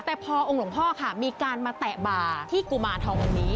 แต่พอองค์หลวงพ่อค่ะมีการมาแตะบ่าที่กุมารทององค์นี้